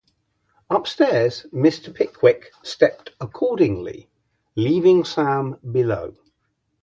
Upstairs Mr. Pickwick stepped accordingly, leaving Sam below.